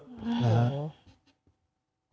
โอ้โห